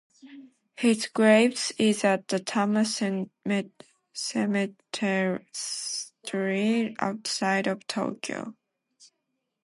His grave is at the Tama Cemetery, outside of Tokyo.